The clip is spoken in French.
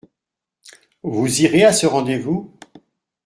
Vous irez à ce rendez-vous ?